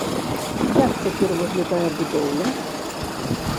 Як цяпер выглядае будоўля?